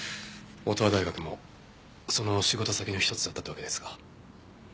乙羽大学もその仕事先の一つだったってわけですか。